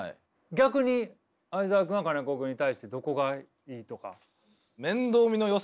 逆に相澤君は金子君に対してどこがいいとか？